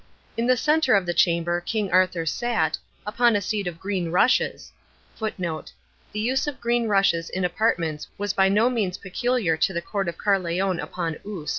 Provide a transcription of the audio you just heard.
In the centre of the chamher King Arthur sat, upon a seat of green rushes, [Footnote: The use of green rushes in apartments was by no means peculiar to the court of Carleon upon Usk.